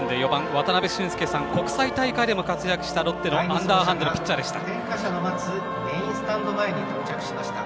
渡辺俊介さん、国際大会でも活躍したロッテのアンダーハンドのピッチャーでした。